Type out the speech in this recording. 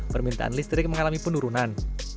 permintaan listrik mengalami penurunan